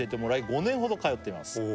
「５年ほど通っています」